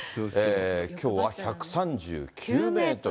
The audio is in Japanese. きょうは１３９メートル。